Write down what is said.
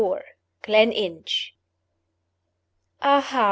GLENINCH. "AHA!"